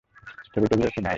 ছবি-টবিও কি নাই?